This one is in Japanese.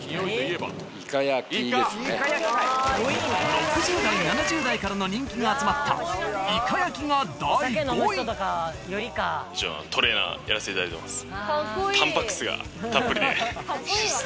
６０代７０代からの人気が集まった一応トレーナーやらせていただいてます。